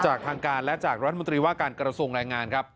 จากทางการและจากรัฐมนตรีว่าการกรสูงรายงานครับ